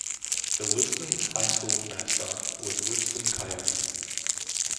The Woodston High School mascot was Woodston Coyotes.